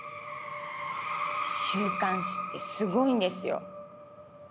週刊誌ってすごいんですよ。